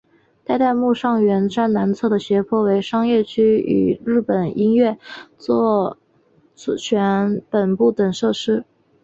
代代木上原站南侧的斜坡为商业区与日本音乐着作权协会本部等设施。